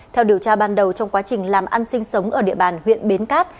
theo điều tra ban đầu trong quá trình làm ăn sinh sống ở địa bàn huyện bến cát